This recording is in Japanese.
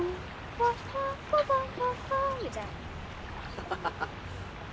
ハハハハ。